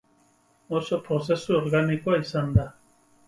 Oso prozesu organikoa izan da.